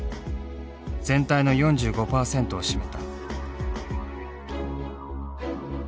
全体の４５％を占めた。